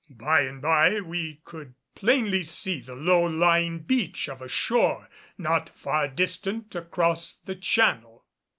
By and by we could plainly see the low lying beach of a shore not far distant across the channel.